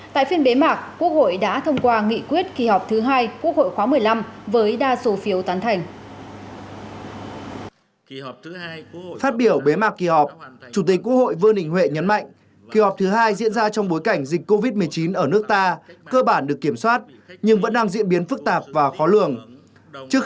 tại phiên bế mạc quốc hội đã thông qua nghị quyết kỳ họp thứ hai quốc hội khóa một mươi năm với đa số phiếu tán thành